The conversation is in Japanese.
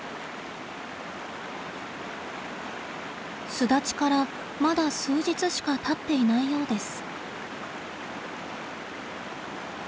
巣立ちからまだ数日しかたっていないようです。